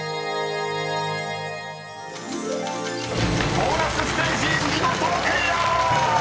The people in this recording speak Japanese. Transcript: ［ボーナスステージ見事クリア！］